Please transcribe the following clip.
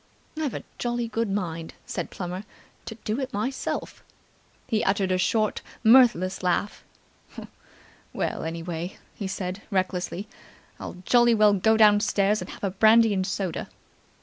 "I've a jolly good mind," said Plummer, "to do it myself!" He uttered a short, mirthless laugh. "Well, anyway," he said recklessly, "I'll jolly well go downstairs and have a brandy and soda!"